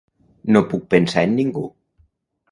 No puc pensar en ningú.